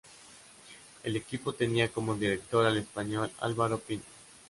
El equipo tenía como director al español Álvaro Pino.